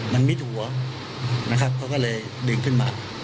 มันมิดหัวนะครับเขาก็เลยดึงขึ้นมา